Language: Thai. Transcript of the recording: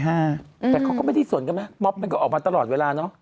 แต่เขาก็ไม่ได้สนกันไหมม็อบมันก็ออกมาตลอดเวลาเนอะ